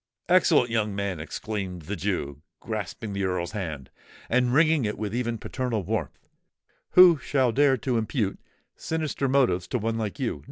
"Excellent young man!" exclaimed the Jew, grasping the Earl's hand, and wringing it with even paternal warmth: "who shall dare to impute sinister motives to one like you?